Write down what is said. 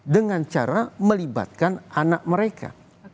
dengan cara melibatkan anak mereka